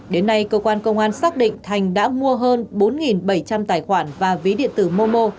đến nay cơ quan công an xác định thành đã mua hơn bốn bảy trăm linh tài khoản và ví điện tử momo